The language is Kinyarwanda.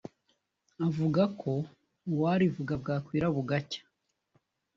avuga ko uwarivuga bwakwira bugacya